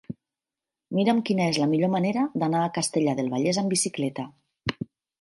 Mira'm quina és la millor manera d'anar a Castellar del Vallès amb bicicleta.